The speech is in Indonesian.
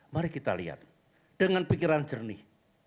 mari kita lihat dengan pikiran jernih